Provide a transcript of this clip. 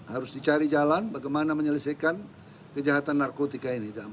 harus dicari jalan bagaimana menyelesaikan kejahatan narkotika ini